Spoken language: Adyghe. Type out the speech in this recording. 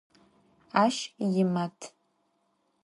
Aş yimat.